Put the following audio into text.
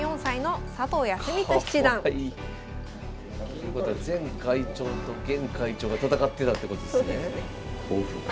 ということは前会長と現会長が戦ってたってことですね。